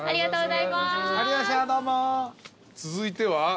続いては？